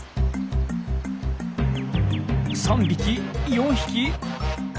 ３匹４匹。